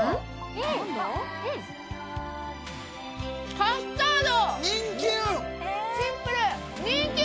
カスタード。